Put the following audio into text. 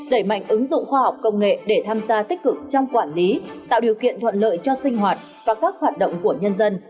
đẩy mạnh ứng dụng khoa học công nghệ để tham gia tích cực trong quản lý tạo điều kiện thuận lợi cho sinh hoạt và các hoạt động của nhân dân